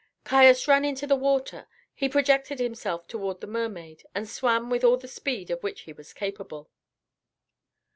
Caius ran into the water; he projected himself toward the mermaid, and swam with all the speed of which he was capable.